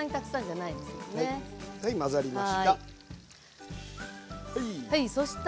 はい混ざりました。